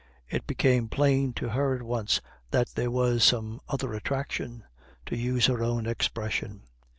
It became plain to her at once that there was some other attraction, to use her own expression.